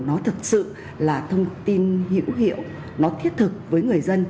nó thực sự là thông tin hữu hiệu nó thiết thực với người dân